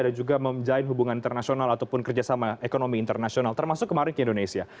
dan juga menjalin hubungan internasional ataupun kerjasama ekonomi internasional termasuk kemarin indonesia